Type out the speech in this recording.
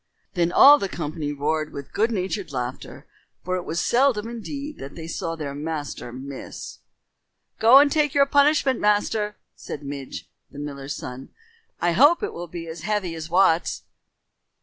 Then all the company roared with good natured laughter, for it was seldom indeed that they saw their master miss. "Go and take your punishment, master," said Midge, the miller's son. "I hope it will be as heavy as Wat's."